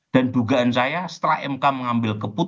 dan dugaan saya setelah itu pak jokowi itu benar benar terhormat